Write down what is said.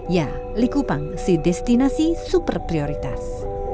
ya likupang si destinasi super prioritas